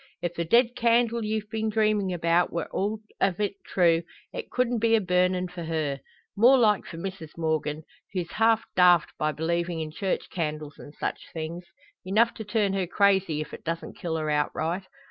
If the dead candle ye've been dreamin' about we're all o' it true, it couldn't be a burnin' for her. More like for Mrs Morgan, who's half daft by believing in church candles and such things enough to turn her crazy, if it doesn't kill her outright.